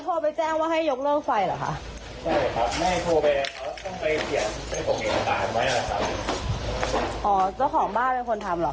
เขาโทรไปแจ้งว่าให้ยกเรื่องไฟเหรอค่ะ